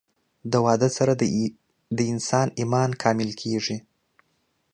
د واده سره د انسان ايمان کامل کيږي